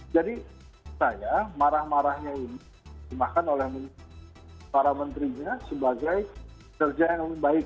jadi saya marah marahnya ini diperjemahkan oleh para menterinya sebagai kerja yang lebih baik